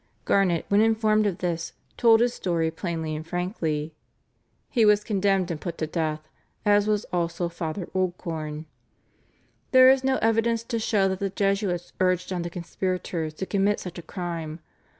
Garnet, when informed of this, told his story plainly and frankly. He was condemned and put to death, as was also Father Oldcorn. There is no evidence to show that the Jesuits urged on the conspirators to commit such a crime.